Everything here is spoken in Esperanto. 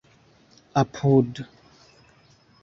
apud